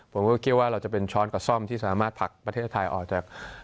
ผมก็คิดว่าเราจะเป็นช้อนกับซ่อมที่สามารถผลักประเทศไทยออกจาก